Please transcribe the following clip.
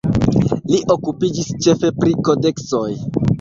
Li okupiĝis ĉefe pri kodeksoj.